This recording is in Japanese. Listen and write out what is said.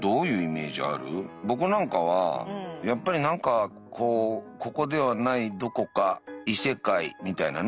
僕なんかはやっぱり何かこうここではないどこか異世界みたいなね。